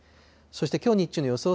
そしてきょう日中の予想